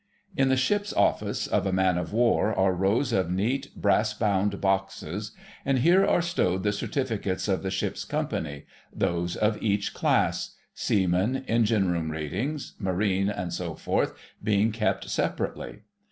In the Ship's Office of a man of war are rows of neat brass bound boxes, and here are stowed the certificates of the Ship's Company, those of each Class—seamen, engine room ratings, marines, &c., being kept separately.